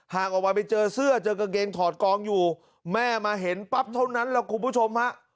ออกไปไปเจอเสื้อเจอกางเกงถอดกองอยู่แม่มาเห็นปั๊บเท่านั้นแหละคุณผู้ชมฮะ